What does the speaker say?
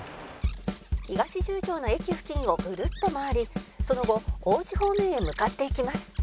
「東十条の駅付近をぐるっと回りその後王子方面へ向かって行きます」